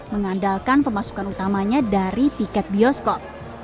mengandalkan pemasukan utamanya dari tiket bioskop